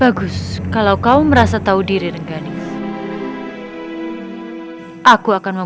bagus kalau kau merasa tahu diri reganis